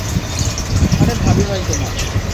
আরে ভাবী হয় তোমার।